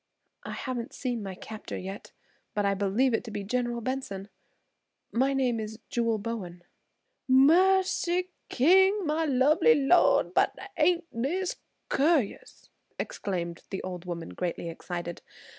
"I haven't seen my captor yet, but I believe it to be General Benson. My name is Jewel Bowen." "Mercy, King! My lovely Lor'd, but ain't dis curus?" exclaimed the old woman, greatly excited.